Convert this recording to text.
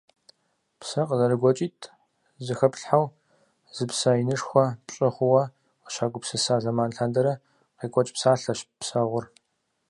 Псэ къызэрыгуэкӀитӀ зэхэплъхьэу зы псэ инышхуэ пщӀы хъууэ къыщагупсыса зэман лъандэрэ къекӀуэкӀ псалъэщ псэгъур.